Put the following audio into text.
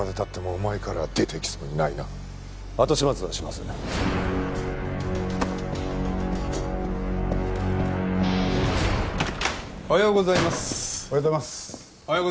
おはようございます。